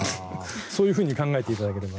そういうふうに考えていただければ。